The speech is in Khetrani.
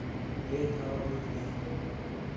ہے تھانوا بھڄ ڳئین